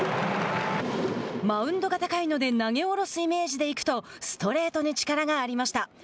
「マウンドが高いので投げ下ろすイメージで行く」とストレートに力がありました。